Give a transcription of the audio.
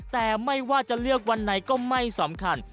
แต่ไม่ว่าจะเลือกวันไหนก็ไม่สำคัญ